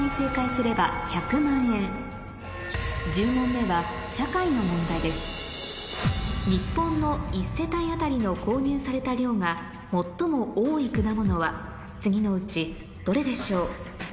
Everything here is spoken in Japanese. １０問目は社会の問題です日本の１世帯当たりの購入された量が最も多い果物は次のうちどれでしょう？